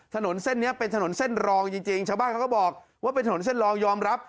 ถนนเส้นนี้เป็นถนนเส้นรองจริงชาวบ้านเขาก็บอกว่าเป็นถนนเส้นรองยอมรับ